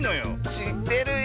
しってるよ！